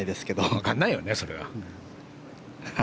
わかんないよね、それは。